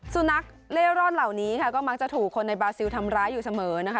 สุนัขเล่ร่อนเหล่านี้ค่ะก็มักจะถูกคนในบาซิลทำร้ายอยู่เสมอนะคะ